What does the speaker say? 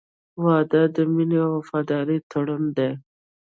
• واده د مینې او وفادارۍ تړون دی.